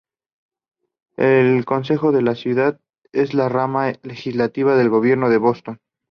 El Consejo de la ciudad es la rama legislativa del gobierno en Boston.